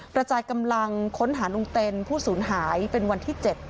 กระจายกำลังค้นหาลุงเต็นผู้สูญหายเป็นวันที่๗